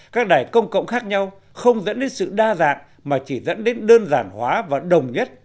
các đài công cộng khác nhau không dẫn đến sự đa dạng mà chỉ dẫn đến đơn giản hóa và đồng nhất